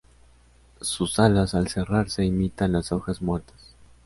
Sus alas al cerrarse imitan las hojas muertas.